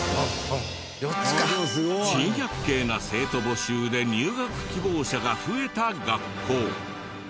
珍百景な生徒募集で入学希望者が増えた学校。